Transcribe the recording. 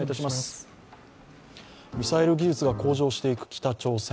ミサイル技術が向上していく北朝鮮。